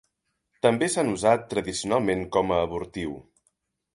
També s'han usat tradicionalment com a abortiu.